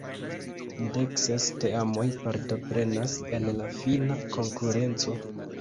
Dekses teamoj partoprenas en la fina konkurenco.